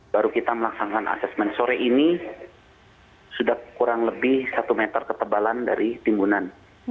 baru kita melaksanakan asesmen sore ini sudah kurang lebih satu meter ketebalan dari timbunan